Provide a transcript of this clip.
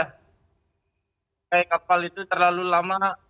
naik kapal itu terlalu lama